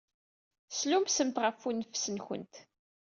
Slummsemt ɣef uneffes-nwent.